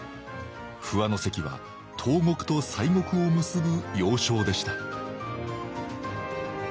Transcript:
不破関は東国と西国を結ぶ要衝でした